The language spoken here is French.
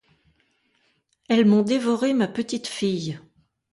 Elles m'ont dévoré ma petite fille!